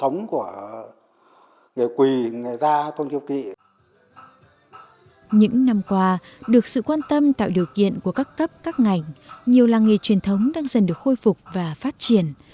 ngoài ra được sự quan tâm tạo điều kiện của các cấp các ngành nhiều làng nghề truyền thống đang dần được khôi phục và phát triển